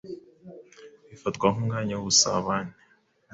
bifatwa nk’umwanya w’ubusabane